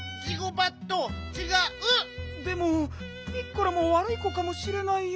でもピッコラもわるい子かもしれないよ。